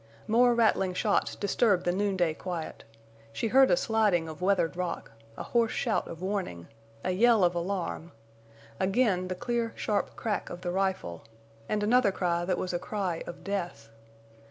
More rattling shots disturbed the noonday quiet. She heard a sliding of weathered rock, a hoarse shout of warning, a yell of alarm, again the clear, sharp crack of the rifle, and another cry that was a cry of death.